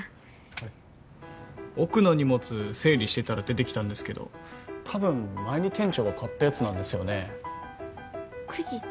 これ奥の荷物整理してたら出てきたんですけど多分前に店長が買ったやつなんですよね。くじ？